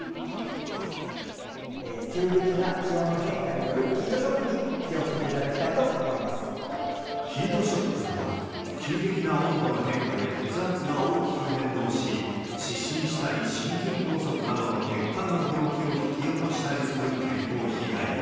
急激な気温の変化によるヒートショックに気をつけていただきヒートショックとは、急激な温度の変化で血圧が大きく変動し、失神したり心筋梗塞などの血管の病気を引き起こしたりする健康被害だ。